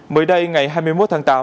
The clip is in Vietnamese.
mới đây ngày hai mươi một tháng tám